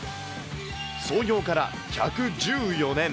創業から１１４年。